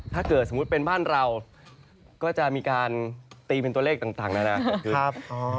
ถ้าเกิดสมมุติเป็นบ้านเราก็จะมีการตีเป็นตัวเลขต่างนานาเกิดขึ้น